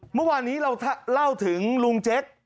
เมื่อวานนี้เราเล่าถึงลุงเจ๊ก